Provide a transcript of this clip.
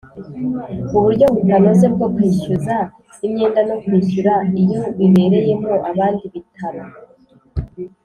Uburyo butanoze bwo kwishyuza imyenda no kwishyura iyo bibereyemo abandi Ibitaro